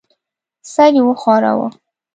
سر یې وښوراوه.